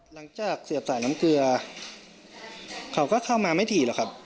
เสียบสายน้ำเกลือเขาก็เข้ามาไม่ถี่หรอกครับ